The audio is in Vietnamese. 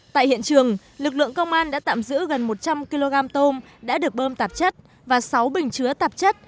tại hiện trường lực lượng công an đã tạm giữ gần một trăm linh kg tôm đã được bơm tạp chất và sáu bình chứa tạp chất